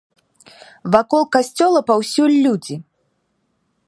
Вакол касцёла паўсюль людзі.